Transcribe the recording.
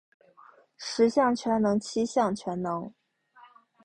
十项全能七项全能